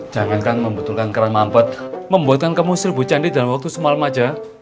jangankan membutuhkan keras mampet membuatkan kamu seribu candi dalam waktu semalam aja